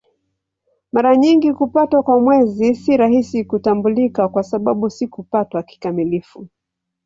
Mara nyingi kupatwa kwa Mwezi si rahisi kutambulika kwa sababu si kupatwa kikamilifu.